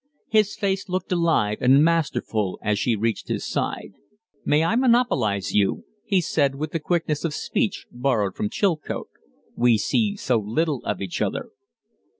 His face looked alive and masterful as she reached his side. "May I monopolize you?" he said, with the quickness of speech borrowed from Chilcote. "We see so little of each other."